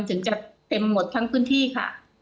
ถึงจะเต็มหมดทั้งพื้นที่ค่ะ